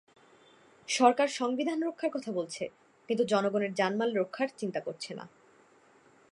সরকার সংবিধান রক্ষার কথা বলছে, কিন্তু জনগণের জানমাল রক্ষার চিন্তা করছে না।